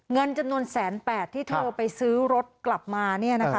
เงินจำนวนแสนแปดที่เธอไปซื้อรถกลับมา